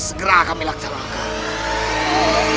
segera kami laksanakan